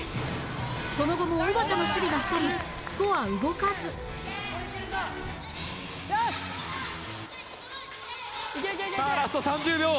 その後もおばたの守備が光りスコア動かずさあラスト３０秒。